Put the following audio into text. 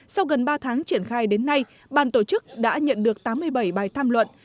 sau gần ba tháng triển khai đến nay bàn tổ chức đã nhận được tám mươi bảy bài tham luận